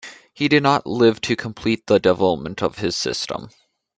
He did not live to complete the development of his system.